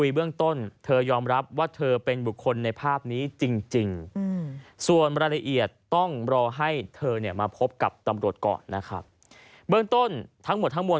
เบื้องต้นทั้งหมดทั้งมวล